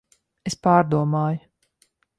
Es pārdomāju.